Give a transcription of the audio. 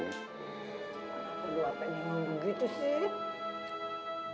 lu kenapa bingung begitu sih